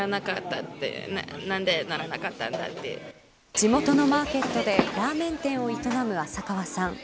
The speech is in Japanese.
地元のマーケットでラーメン店を営む浅川さん。